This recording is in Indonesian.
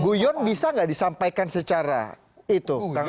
guyon bisa nggak disampaikan secara itu pak sob